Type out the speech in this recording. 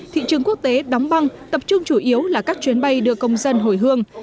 thị trường quốc tế đóng băng tập trung chủ yếu là các chuyến bay đưa công dân hồi hương